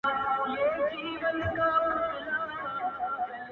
زما پر زړه لګي سیده او که کاږه وي,